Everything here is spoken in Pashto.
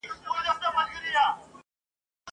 د شته من په کور کي غم دوی ته مېله وه ..